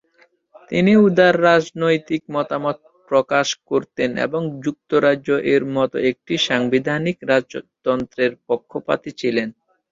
তিনি উদার রাজনৈতিক মতামত প্রকাশ করতেন এবং যুক্তরাজ্য এর মতো একটি সাংবিধানিক রাজতন্ত্রের পক্ষপাতীছিলেন।